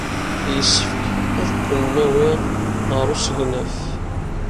Yessefk ad ken-nawi ɣer usegnaf.